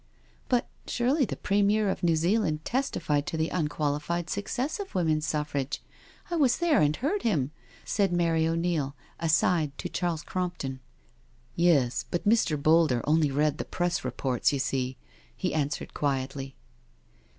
" But surely the Premier of New Zealand testified to the unqualified success of Women's Suffrage? I was there and heard him I" said Mary O'Neil, aside, to Charles Crompton. " Yes — but Mr. Boulder only read the Press reports, you see," he answered quietly.